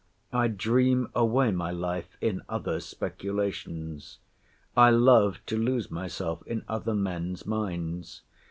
I dream away my life in others' speculations. I love to lose myself in other men's minds.